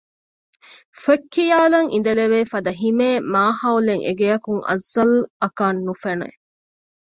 ފޮތްކިޔާލަން އިނދެލެވޭފަދަ ހިމޭން މާހައުލެއް އެގެއަކުން އަޒަލްއަކަށް ނުފެނެ